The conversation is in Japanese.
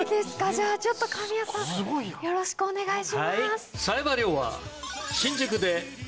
じゃあ神谷さんよろしくお願いします。